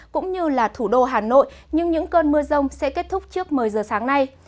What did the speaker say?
cũng như là thủ đô hà nội nhưng những cơn mưa rông sẽ kết thúc trước một mươi giờ sáng nay